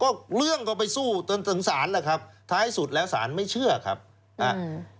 ก็เรื่องก็ไปสู้จนถึงศาลแหละครับท้ายสุดแล้วศาลไม่เชื่อครับอ่าอืม